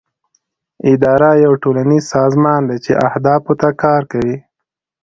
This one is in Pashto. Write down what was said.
اداره یو ټولنیز سازمان دی چې اهدافو ته کار کوي.